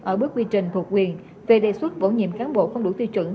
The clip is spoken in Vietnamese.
ở bước quy trình thuộc quyền về đề xuất bổ nhiệm cán bộ không đủ tiêu chuẩn